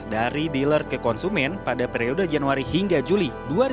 dari dealer ke konsumen pada periode januari hingga juli dua ribu dua puluh